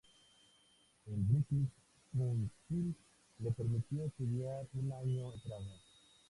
El British Council le permitió estudiar un año en Praga.